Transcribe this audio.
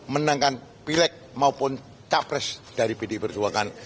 menangkan pilek maupun capres dari pdi perjuangan